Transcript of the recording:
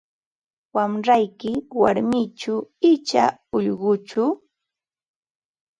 Wamrayki warmichu icha ullquchu?